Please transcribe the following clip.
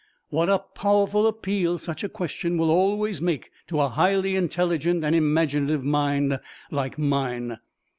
What a powerful appeal such a question will always make to a highly intelligent and imaginative mind like mine!